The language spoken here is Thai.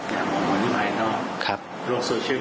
อย่ามองคนที่ภายนอก